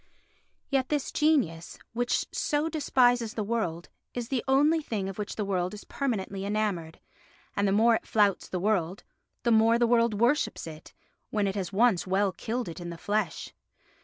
Yet this genius, which so despises the world, is the only thing of which the world is permanently enamoured, and the more it flouts the world, the more the world worships it, when it has once well killed it in the flesh.